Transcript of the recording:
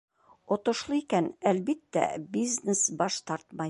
Отошло икән, әлбиттә, бизнес баш тартмай.